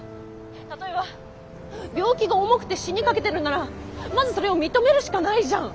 例えば病気が重くて死にかけてるんならまずそれを認めるしかないじゃん。